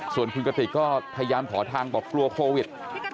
ส่วนคุณกติกก็พยายามขอทางบอกกลัวโควิด